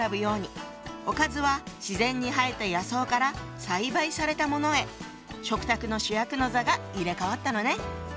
おかずは自然に生えた野草から栽培されたものへ食卓の主役の座が入れ代わったのね。